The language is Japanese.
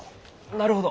なるほど。